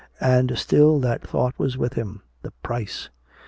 And still that thought was with him the price!